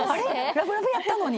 ラブラブやったのに！